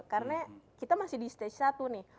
karena kita masih di stage satu nih